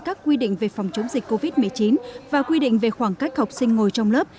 các quy định về phòng chống dịch covid một mươi chín và quy định về khoảng cách học sinh ngồi trong lớp